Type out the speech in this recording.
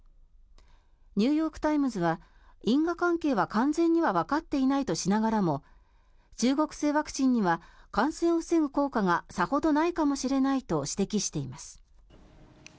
ニューヨーク・タイムズは因果関係は完全にはわかっていないとしながらも中国製ワクチンには感染を防ぐ効果がさほどないかもしれないと指摘しています。